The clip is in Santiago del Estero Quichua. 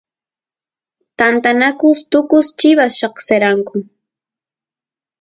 tantanakus tukus chivas lloqseranku